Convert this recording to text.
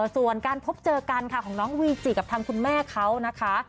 ส่วนการพบเจอกันค่ะของน้องวีจิกับทางคุณแม่เขานะคะ